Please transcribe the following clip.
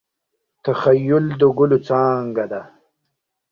تخیل د ګلو څانګه ده.